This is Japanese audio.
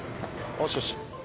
おしおし。